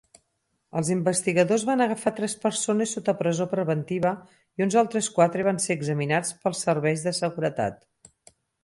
Els investigadors van agafar tres persones sota presó preventiva i uns altres quatre van ser examinats pels serveis de seguretat.